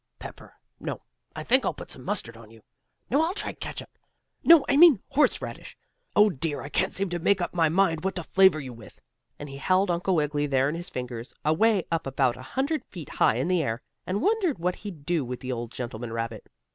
"Pepper no, I think I'll put some mustard on you no, I'll try ketchup no, I mean horseradish. Oh, dear, I can't seem to make up my mind what to flavor you with," and he held Uncle Wiggily there in his fingers, away up about a hundred feet high in the air, and wondered what he'd do with the old gentleman rabbit.